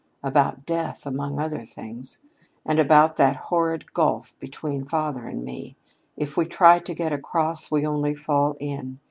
about Death among other things. And about that horrid gulf between father and me. If we try to get across we only fall in.